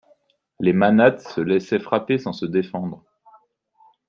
Les manates se laissaient frapper sans se défendre.